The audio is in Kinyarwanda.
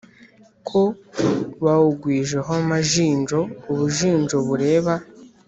Ko bawugwijeho amashinjo, ubushinjo bureba